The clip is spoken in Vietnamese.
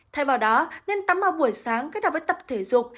thay vào đó nên tắm vào buổi sáng kết hợp với tập thể dục